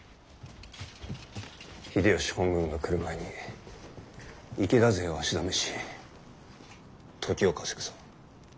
秀吉本軍が来る前に池田勢を足止めし時を稼ぐぞ。